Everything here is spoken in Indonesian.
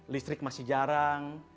listrik masih jarang